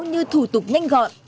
như thủ tục nhanh gọn